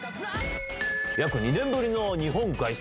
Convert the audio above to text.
約２年ぶりの日本凱旋。